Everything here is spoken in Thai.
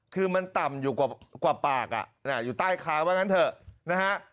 คือมันต่ำอยู่กว่าปากอยู่ใต้คาว่างั้นเถอะนะฮะ